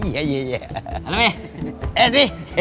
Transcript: pemanasan yang benar